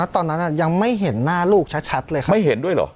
ตอนนั้นยังไม่เห็นหน้าลูกชัดเลยครับไม่เห็นด้วยเหรอ